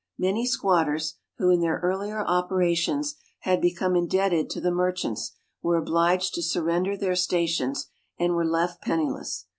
Many squatters, who in their earlier operations had become indebted to the merchants, were obliged to surrender their stations, and were left penniless.